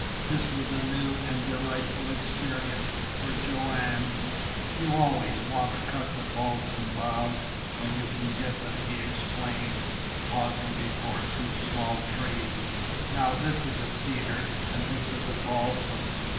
This was a new and delightful experience for Joanne. "You always want to cut balsam boughs when you can get them," he explained, pausing before two small trees. "Now, this is a cedar, and this is a balsam.